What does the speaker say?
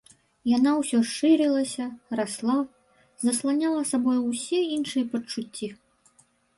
Яна ўсё шырылася, расла, засланяла сабою ўсе іншыя пачуцці.